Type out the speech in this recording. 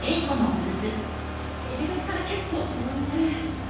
入り口から結構遠いね。